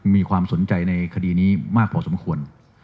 มีความสนใจในคดีนี้มากพอสมควร